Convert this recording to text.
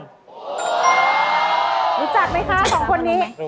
รู้จักไหมคะสองคนนี้